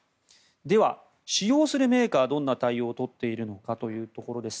では、使用するメーカーはどんな対応を取っているのかというところです。